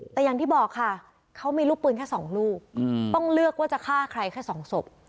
แต่อย่างที่บอกค่ะเขามีลูกปืนแค่๒ลูกต้องเลือกว่าจะฆ่าใครแค่สองศพ